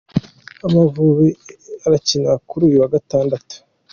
Amavubi arakina kuri uyu wa Gatandatu